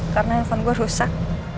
karena handphone gue rusak